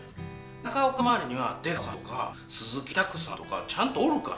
中岡の周りには出川さんとか鈴木拓さんとかちゃんとおるから。